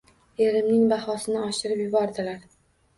Emning bahosini oshirib yubordilar